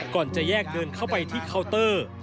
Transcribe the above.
ก่อนจะแยกเดินเข้าไปที่เคาน์เตอร์